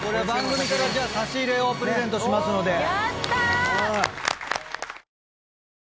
番組から差し入れをプレゼントしますので。